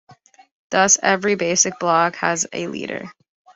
Thus every basic block has a leader.